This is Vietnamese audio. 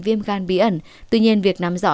viêm gan bí ẩn tuy nhiên việc nắm rõ